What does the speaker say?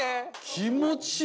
気持ちいい！